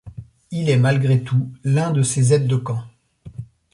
Il est malgré tout l'un de ses aides de camp.